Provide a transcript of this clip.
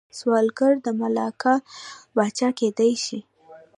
سوداګر د ملاکا پاچا کېدای شي.